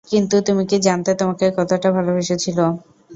কিন্তু তুমি কি জানতে তোমাকে কতটা ভালোবেসেছিল?